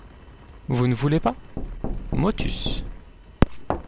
Vous ne voulez pas ? MOTUS.